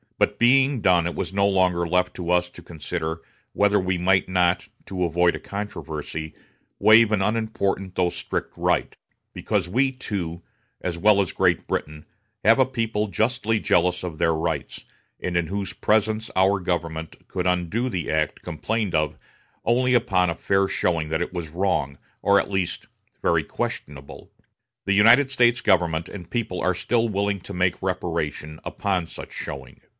But, being done, it was no longer left to us to consider whether we might not, to avoid a controversy, waive an unimportant though a strict right; because we, too, as well as Great Britain, have a people justly jealous of their rights, and in whose presence our government could undo the act complained of only upon a fair showing that it was wrong, or at least very questionable. The United States government and people are still willing to make reparation upon such showing.